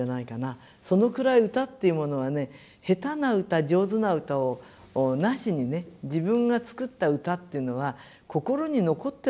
そのくらい歌っていうものはね下手な歌上手な歌をなしにね自分が作った歌っていうのは心に残ってるものなんです。